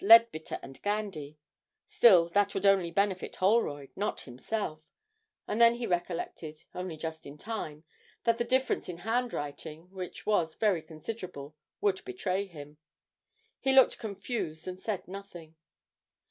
Leadbitter and Gandy; still, that would only benefit Holroyd not himself, and then he recollected, only just in time, that the difference in handwriting (which was very considerable) would betray him. He looked confused and said nothing.